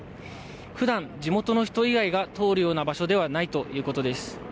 ふだん地元の人以外が通るような場所ではないということです。